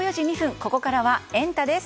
ここからはエンタ！です。